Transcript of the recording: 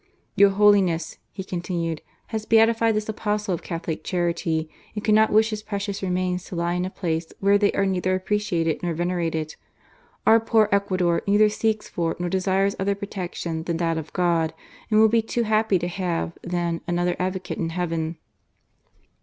" Your les he continued, "has beatified this Apostle c charity, and cannot wish his precious p i to lie in a place where they are neither i ited nor venerated. Our poor Ecuador ler seeks for nor desires other protection than that of God, and will be too happj to have, then, another advocate in Heaven."